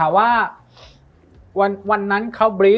มันทำให้ชีวิตผู้มันไปไม่รอด